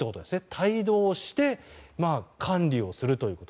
帯同して管理をするということ。